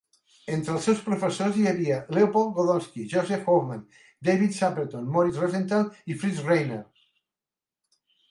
Entre els seus professors hi havia Leopold Godowsky, Josef Hofmann, David Saperton, Moriz Rosenthal i Fritz Reiner.